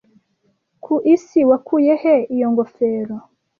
Ku isi wakuye he iyo ngofero?